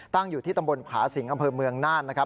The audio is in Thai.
ตั้งอยู่ที่ตำบลผาสิงอำเภอเมืองน่าน